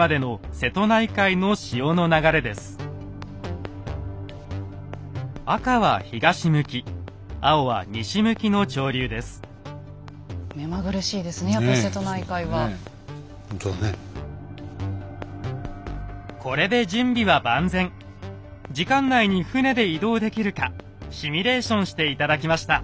時間内に船で移動できるかシミュレーションして頂きました。